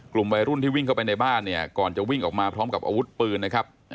กลุ่มวัยรุ่นที่วิ่งเข้าไปในบ้านเนี่ยก่อนจะวิ่งออกมาพร้อมกับอาวุธปืนนะครับ